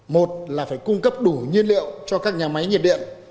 một là phải cung cấp đủ nhiên liệu cho các nhà máy nhiệt điện